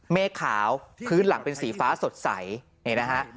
เมฆขาวพื้นหลังเป็นสีฟ้าสดใสนี่นะฮะ